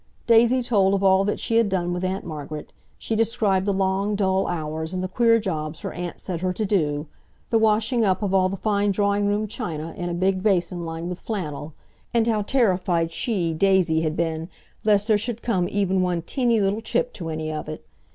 Daisy told of all that she had done with Aunt Margaret. She described the long, dull hours and the queer jobs her aunt set her to do—the washing up of all the fine drawing room china in a big basin lined with flannel, and how terrified she (Daisy) had been lest there should come even one teeny little chip to any of it.